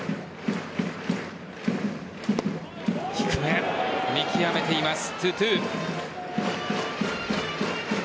低め、見極めています。